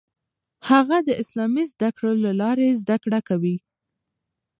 هغه د اسلامي زده کړو له لارې زده کړه کوي.